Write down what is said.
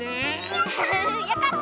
やった！